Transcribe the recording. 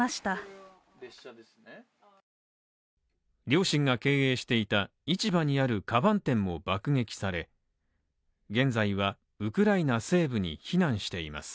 両親が経営していた市場にあるカバン店も爆撃され、現在はウクライナ西部に避難しています。